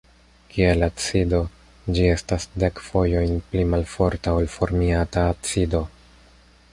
Kiel acido, ĝi estas dek fojojn pli malforta ol formiata acido.